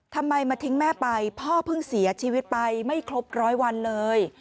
ทำไมมาทิ้งแม่ไปพ่อเพิ่งเสียชีวิตไปไม่ครบร้อยวันเลย